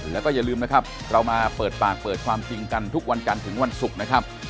แล้วก็อย่าลืมนะครับเรามาเปิดปากเปิดความจริงกันทุกวันกันถึงวันศุกร์นะครับ